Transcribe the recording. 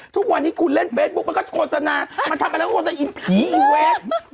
ทุกวันนี้คุณเล่นเฟซบุ๊กมันก็โฆษณามันทำอะไรอินผีอีเวท